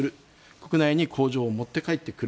国内に工場を持って帰ってくる。